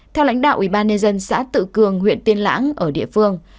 theo lãnh đạo ủy ban nhân dân xã tự cường huyện tiên lãng ở địa phương